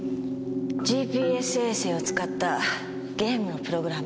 ＧＰＳ衛星を使ったゲームのプログラム。